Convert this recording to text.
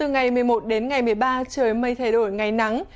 ngày một đến ngày một mươi ba trời mây thay đổi ngày nắng